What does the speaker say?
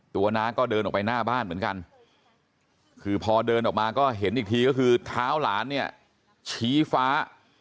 น้าก็เดินออกไปหน้าบ้านเหมือนกันคือพอเดินออกมาก็เห็นอีกทีก็คือเท้าหลานเนี่ยชี้ฟ้า